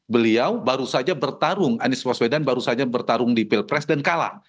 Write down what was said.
beliau baru saja bertarung anies waswedan baru saja bertarung di pilpres dan kalah